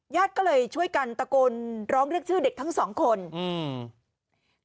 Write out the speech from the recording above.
ญาติก็เลยช่วยกันตะโกนร้องเรียกชื่อเด็กทั้งสองคนอืม